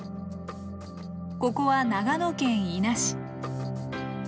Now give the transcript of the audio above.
ここは長野県伊那市。